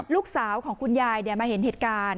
ลูกชายของคุณยายมาเห็นเหตุการณ์